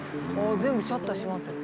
全部シャッター閉まってる。